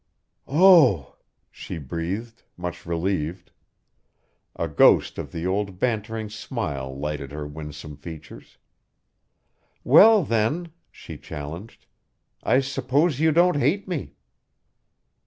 "Oh!" she breathed, much relieved. A ghost of the old bantering smile lighted her winsome features. "Well, then," she challenged, "I suppose you don't hate me."